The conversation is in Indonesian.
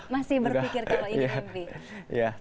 masih berpikir kalau ini mimpi